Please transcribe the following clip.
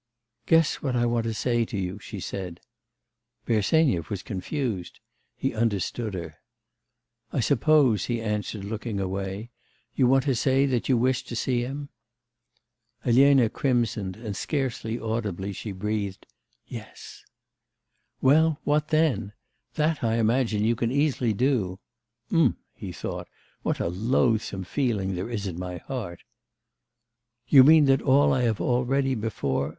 'Guess, what I want to say to you,' she said. Bersenyev was confused. He understood her. 'I suppose,' he answered, looking away, 'you want to say that you wish to see him.' Elena crimsoned, and scarcely audibly, she breathed, 'Yes.' 'Well, what then? That, I imagine, you can easily do.' 'Ugh!' he thought, 'what a loathsome feeling there is in my heart!' 'You mean that I have already before...